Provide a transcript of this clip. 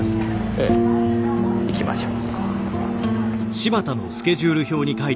ええ行きましょう。